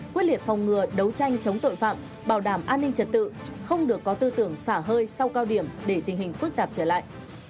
quyết liệt phòng ngừa đấu tranh chống tội phạm bảo đảm an ninh trật tự không được có tư tưởng xả hơi sau cao điểm để tình hình phức tạp trở lại